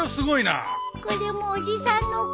これもおじさんのおかげです。